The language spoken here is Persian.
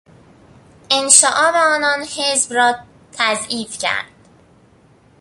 انشعاب آنان حزب را تضعیف کرد.